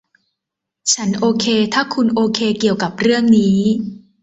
ฉันโอเคถ้าคุณโอเคเกี่ยวกับเรื่องนี้